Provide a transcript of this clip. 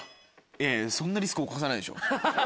いやいやそんなリスク冒さないでしょ。